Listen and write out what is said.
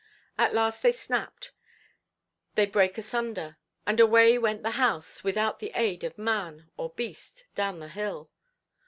At last they snapped, they break asunder; and away went the house without the aid of man or beast down the hill.